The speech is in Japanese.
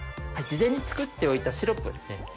事前に作っておいたシロップですね。